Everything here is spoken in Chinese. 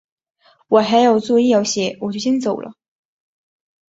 我还有作业要写，我就先走了。